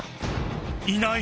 いない！